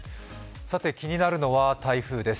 気になるのは台風です。